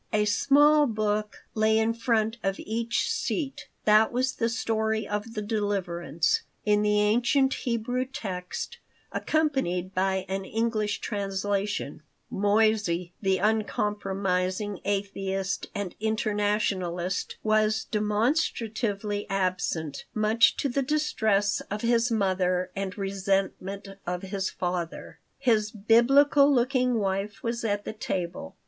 A small book lay in front of each seat. That was the Story of the Deliverance, in the ancient Hebrew text, accompanied by an English translation Moissey, the uncompromising atheist and Internationalist, was demonstratively absent, much to the distress of his mother and resentment of his father. His Biblical looking wife was at the table.